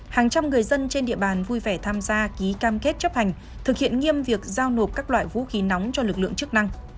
hàng trăm người dân trên địa bàn vui vẻ tham gia ký cam kết chấp hành thực hiện nghiêm việc giao nộp các loại vũ khí nóng cho lực lượng chức năng